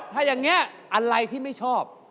ถ้าอย่างเเหี้ยัยที่ไม่ชอบ